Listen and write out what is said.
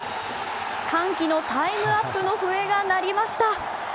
すると歓喜のタイムアップの笛が鳴りました。